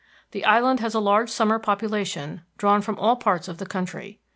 The island has a large summer population drawn from all parts of the country.